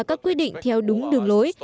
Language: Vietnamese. các quyết định theo đúng đường lối